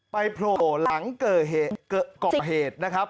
โผล่หลังเกาะเหตุนะครับ